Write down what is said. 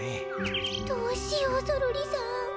どうしようゾロリさん。